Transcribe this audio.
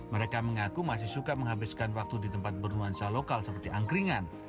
mereka mengaku masih suka menghabiskan waktu di tempat bernuansa lokal seperti angkringan